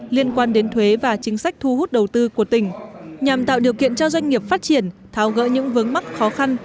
liên quan đến thuế và chính sách thu hút đầu tư của tỉnh nhằm tạo điều kiện cho doanh nghiệp phát triển tháo gỡ những vướng mắc khó khăn